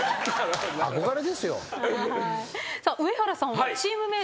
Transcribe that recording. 憧れですよ。